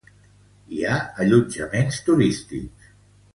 Hi ha allotjaments turístics.